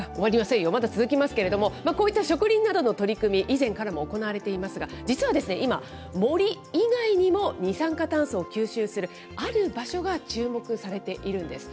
まだ続きますけれども、こういった植林などの取り組み、以前から行われていますが、実は今、森以外にも二酸化炭素を吸収する、ある場所が注目されているんです。